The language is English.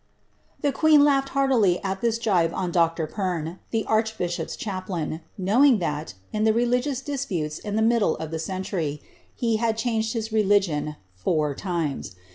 The queen laughed heartily at this gibe on Dr. Perne. the arrhbbhop'i chaplain, knowing thai, in the religious disputes in ihe middle of ihc century, he liad changed his religion four limes.